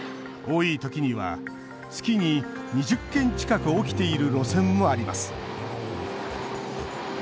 多いときには月に２０件近く起きている路線もあります。